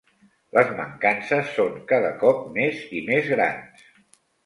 Les mancances són cada cop més i més grans.